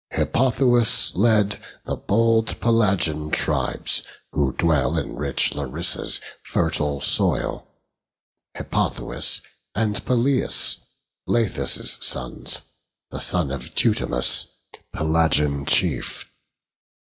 Hippothous led the bold Pelasgian tribes, Who dwell in rich Larissa's fertile soil, Hippothous and Pylaeus, Lethus' sons, The son of Teutamus, Pelasgian chief.